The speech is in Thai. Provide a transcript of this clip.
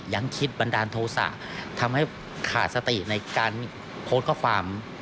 ยังคิดบันดาลโทษะทำให้ขาดสติในการโพสต์ข้อความ